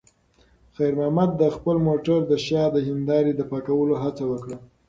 خیر محمد د خپل موټر د شا د هیندارې د پاکولو هڅه وکړه.